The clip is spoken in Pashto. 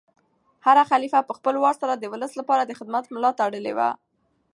هر خلیفه په خپل وار سره د ولس لپاره د خدمت ملا تړلې وه.